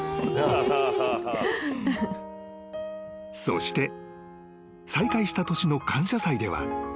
［そして再会した年の感謝祭では］